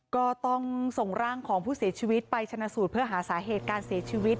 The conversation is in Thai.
ก็ต้องส่งร่างของผู้เสียชีวิตไปชนะสูตรเพื่อหาสาเหตุการเสียชีวิต